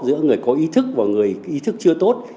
giữa người có ý thức và người ý thức chưa tốt